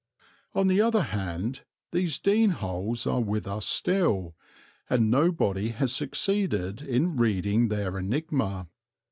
On the other hand, these Dene Holes are with us still, and nobody has succeeded in reading their enigma.